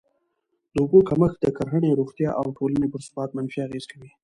د اوبو کمښت د کرهڼې، روغتیا او ټولني پر ثبات منفي اغېز کوي.